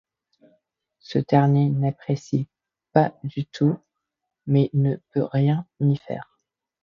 Ce dernier n'apprécie pas du tout mais ne peut rien y faire.